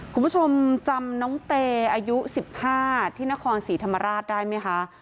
คุณผู้ชมจำน้องเตอายุ๑๕ที่นครศรีธรรมราชได้ไหมคะ